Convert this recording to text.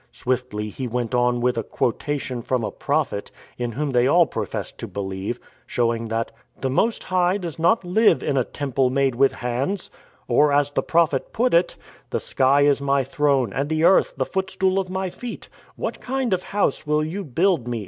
Swiftly he went on with a quotation from a prophet, in whom they all professed to believe, showing that " The Most High does not live in a Temple made with hands "; or, as the prophet put it, "The sky is my throne And the earth the footstool of my feet, What kind of house will you build me?